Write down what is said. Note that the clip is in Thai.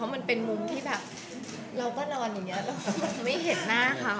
มันเป็นมุมที่แบบเราก็นอนอย่างนี้มันจะไม่เห็นหน้าเขา